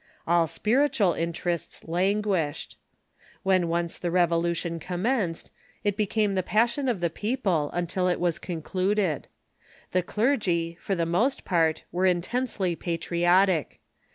All spiritual interests languished. Spiritual ■\Y}jpu once the Revolution commenced, it became the Decline ,,' passion of the people until it was concluded. The clergy, for the most part, were intensely patriotic.